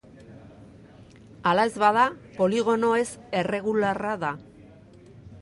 Hala ez bada, poligono ez erregularra da.